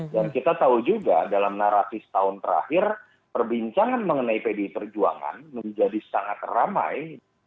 dan kita tahu juga dalam narasi setahun terakhir perbincangan mengenai pdi perjuangan menjadi sangat ramai